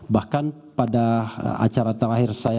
bahkan pada acara terakhir saya